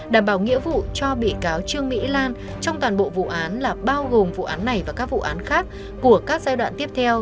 đảm bảo nghĩa vụ cho bị cáo trương mỹ lan trong toàn bộ vụ án là bao gồm vụ án này và các vụ án khác của các giai đoạn tiếp theo